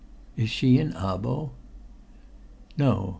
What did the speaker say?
"Is she in Abo?" "No.